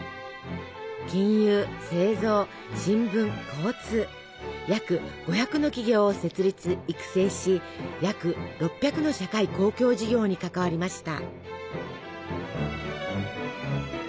金融製造新聞交通約５００の企業を設立育成し約６００の社会公共事業に関わりました。